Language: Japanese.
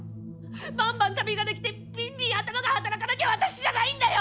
バンバン旅ができてビンビン頭が働かなきゃ私じゃないんだよ！